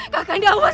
kak kanda raymond